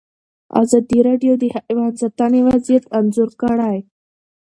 ازادي راډیو د حیوان ساتنه وضعیت انځور کړی.